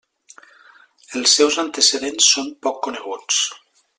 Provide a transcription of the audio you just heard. Els seus antecedents són poc coneguts.